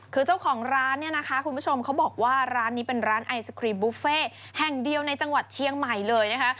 คือเจ้าของร้านเนี่ยนะคะคุณผู้ชมเขาบอกว่าร้านนี้เป็นร้านไอศครีมบุฟเฟ่แห่งเดียวในจังหวัดเชียงใหม่เลยนะคะ